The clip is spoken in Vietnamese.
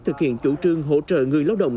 thực hiện chủ trương hỗ trợ người lao động